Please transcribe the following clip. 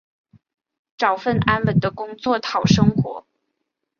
找份安稳的工作讨生活